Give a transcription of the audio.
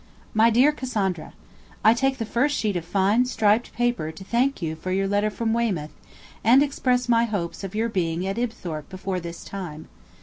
'MY DEAR CASSANDRA, I take the first sheet of fine striped paper to thank you for your letter from Weymouth, and express my hopes of your being at Ibthorp before this time.